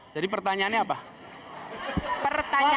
jadi pertanyaannya apa